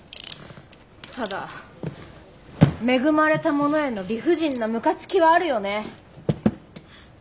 ただ恵まれた者への理不尽なムカつきはあるよね。